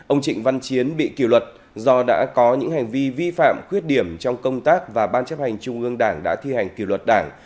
ông trịnh văn chiến bị kỷ luật do đã có những hành vi vi phạm khuyết điểm trong công tác và ban chấp hành trung ương đảng đã thi hành kỷ luật đảng